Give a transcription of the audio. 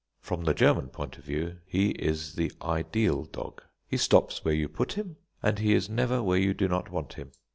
From the German point of view, he is the ideal dog. He stops where you put him, and he is never where you do not want him.